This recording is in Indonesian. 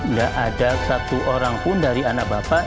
nggak ada satu orang pun dari anak bapak